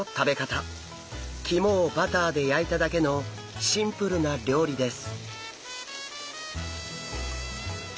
肝をバターで焼いただけのシンプルな料理です。